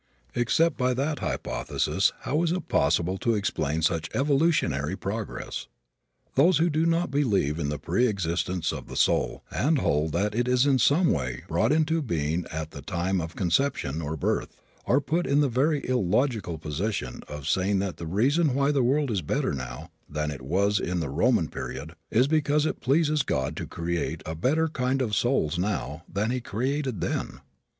Except by that hypothesis how is it possible to explain such evolutionary progress? Those who do not believe in the pre existence of the soul and hold that it is in some way brought into being at the time of conception or birth, are put in the very illogical position of saying that the reason why the world is better now than it was in the Roman period is because it pleases God to create a better kind of souls now than he created then!